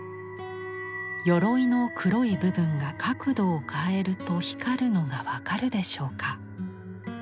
鎧の黒い部分が角度を変えると光るのが分かるでしょうか。